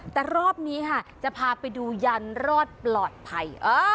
แต่รอบนี้ค่ะจะพาไปดูยันรอดปลอดภัย